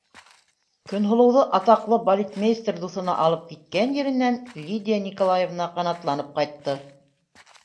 Көнһылыуҙы атаҡлы балетмейстер дуҫына алып киткән еренән Лидия Николаевна ҡанатланып ҡайтты: